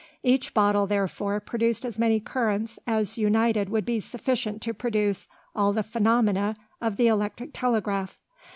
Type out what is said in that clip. Each bottle, therefore, produced as many currents as united would be sufficient to produce all the phenomena of the electric telegraph.